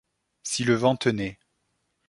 Si le vent tenait